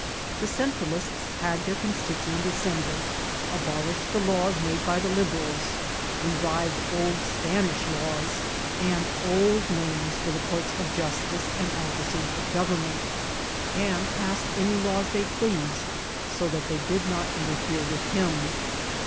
The Centralists had their Con stitnent Assembly, abolished the laws made by the Lib erals, terived old Spanish laws and old names {<xt the conrts of justice and officers of gorommaity and passed any laws they pleased so that they did not interfere with him.